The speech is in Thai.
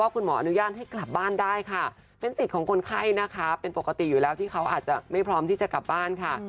คุณหมออนุญาตให้กลับบ้านได้ค่ะเป็นสิทธิ์ของคนไข้นะคะเป็นปกติอยู่แล้วที่เขาอาจจะไม่พร้อมที่จะกลับบ้านค่ะ